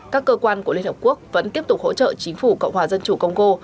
các cơ quan của liên hợp quốc vẫn tiếp tục hỗ trợ chính phủ cộng hòa dân chủ công cô